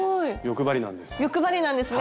欲張りなんです。